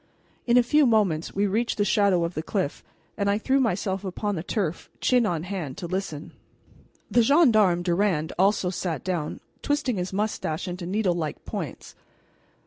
In a few moments we reached the shadow of the cliff, and I threw myself upon the turf, chin on hand, to listen. The gendarme, Durand, also sat down, twisting his mustache into needlelike points.